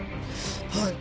はい。